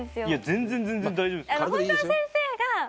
全然全然大丈夫ですよ。